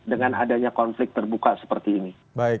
dengan adanya konflik terbuka seperti ini